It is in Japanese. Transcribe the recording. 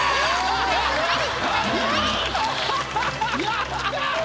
やった！